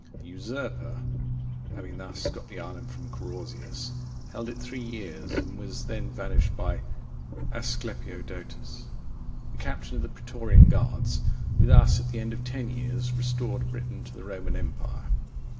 (48) The usurper, having thus got the island from Carausius, held it three years, and was then vanquished by Asclepiodotus,(49) the captain of the Praetorian guards, who thus at the end of ten years restored Britain to the Roman empire.